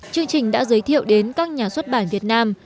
chương trình đã giới thiệu đến các nhà xuất bản việt nam